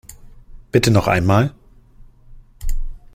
Bitte noch einmal!